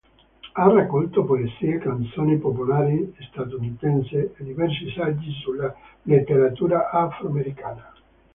Ha raccolto poesie e canzoni popolari statunitensi e diversi saggi sulla letteratura afroamericana.